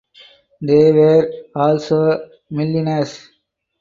They were also milliners.